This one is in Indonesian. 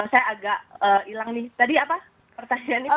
saya agak hilang nih tadi apa pertanyaannya